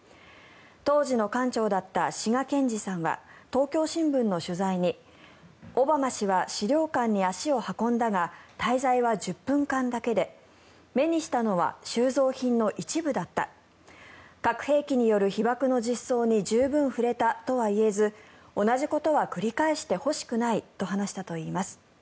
当時の館長だった志賀賢治さんは東京新聞の取材にオバマ氏は資料館に足を運んだが滞在は１０分間だけで目にしたのは収蔵品の一部だった核兵器による被爆の実相に十分触れたとはいえず同じことは繰り返してほしくないと話したといいます。